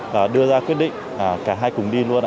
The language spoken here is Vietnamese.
và đưa ra quyết định cả hai cùng đi luôn